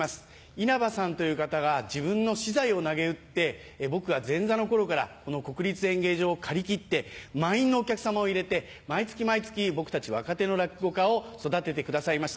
イナバさんという方が自分の私財をなげうって僕が前座の頃からこの国立演芸場を借り切って満員のお客さまを入れて毎月毎月僕たち若手の落語家を育ててくださいました。